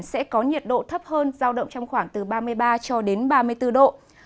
sẽ có nhiệt độ thấp hơn giao động trong khoảng từ ba mươi ba ba mươi bốn độ